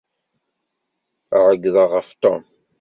Ԑeyyḍeɣ ɣef Tom.